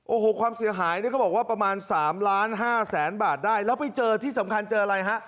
โอ้โหความเสียหายเนี่ยเขาบอกว่าประมาณ๓ล้านห้าแสนบาทได้แล้วไปเจอที่สำคัญเจออะไรฮะ